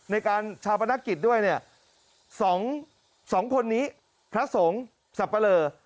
ในการชาวประนักกิจด้วยสองคนนี้พระสงฆ์สับปะเรอ